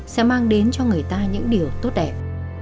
sẽ mang đến cho người ta những điều tốt đẹp